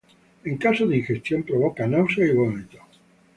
En caso de ingestión provoca náuseas y vómitos.